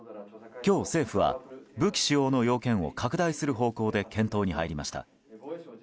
今日、政府は武器使用の要件を拡大する方向で検討に入りました。